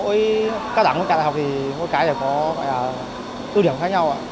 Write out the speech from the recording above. với các đảng các đảng học thì mỗi cái có ưu điểm khác nhau ạ